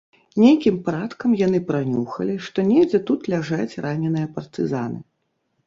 Нейкім парадкам яны пранюхалі, што недзе тут ляжаць раненыя партызаны.